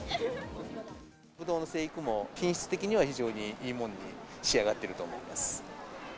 ブドウの生育も、品質的には非常にいいものに仕上がっていると思います。